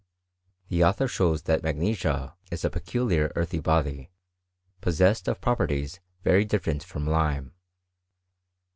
The author diows that mag^ lesia is a peculiar earthy body, possessed of properties tery different from lime.